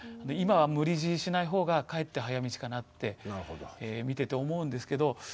今は無理強いしない方がかえって早道かなって見てて思うんですけど。